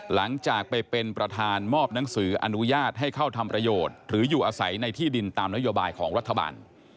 หลังจากไปเป็นประธานมอบหนังสืออนุญาตให้เข้าทำประโยชน์หรืออยู่อาศัยในที่ดินตามนโยบายของรัฐบาล